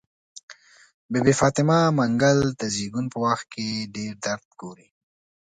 بي بي فاطمه منګل د زيږون په وخت کې ډير درد ګوري.